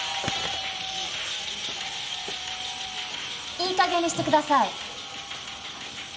いいかげんにしてください。